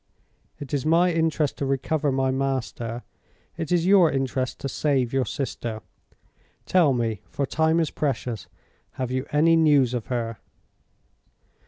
It is my interest to recover my master, it is your interest to save your sister. Tell me—for time is precious—have you any news of her?